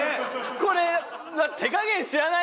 これ手加減知らないな